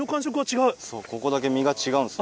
そうここだけ身が違うんですよ。